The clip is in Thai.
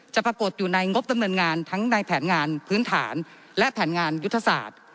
ปรากฏอยู่ในงบดำเนินงานทั้งในแผนงานพื้นฐานและแผนงานยุทธศาสตร์